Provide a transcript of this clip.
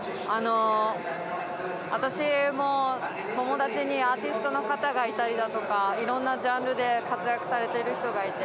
私も友達にアーティストの方がいたりだとかいろんなジャンルで活躍されている人がいて。